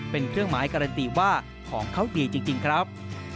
เป็นเครื่องหมายการันตีว่าของเขาดีจริงครับ